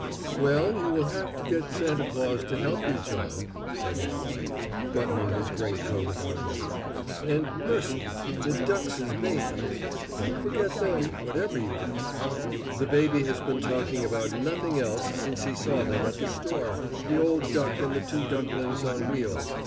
"Well, you will have to get Santa Claus to help you, John," said his wife, buttoning his greatcoat about him. "And, mercy! the duckses' babies! don't forget them, whatever you do. The baby has been talking about nothing else since he saw them at the store, the old duck and the two ducklings on wheels.